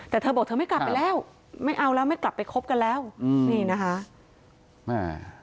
แต่เธอบอกเธอไม่กลับไปแล้วไม่เอาแล้วไม่กลับไปคบกันแล้วอืมนี่นะคะแม่